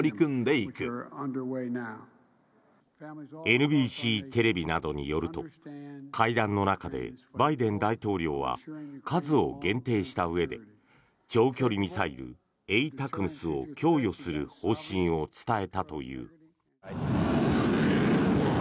ＮＢＣテレビなどによると会談の中でバイデン大統領は数を限定したうえで長距離ミサイル、ＡＴＡＣＭＳを供与する方針を伝えたという。